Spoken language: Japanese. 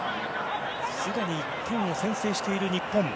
すでに１点を先制している日本。